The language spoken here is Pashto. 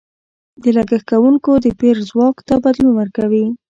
د لګښت کوونکو د پېر ځواک ته بدلون ورکوي.